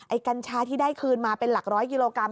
กัญชาที่ได้คืนมาเป็นหลักร้อยกิโลกรัม